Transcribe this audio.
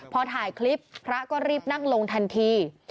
พอถ่ายคลิปพระก็รีบนั่งลงทันที